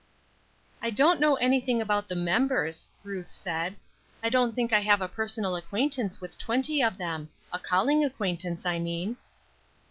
"I don't know anything about the members," Ruth said. "I don't think I have a personal acquaintance with twenty of them a calling acquaintance, I mean."